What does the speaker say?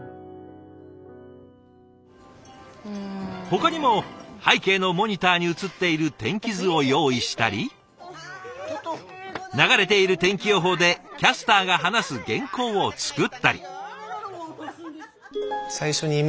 ほかにも背景のモニターに映っている天気図を用意したり流れている天気予報でキャスターが話す原稿を作ったり。